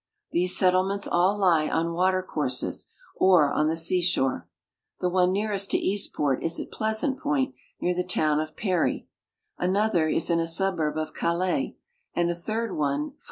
These settlements all lie on watercourses or on the seashore. The one nearest to Eastport is at Pleasant point, near the town of Perry ; another is in a suburb of Calais, and a third one for.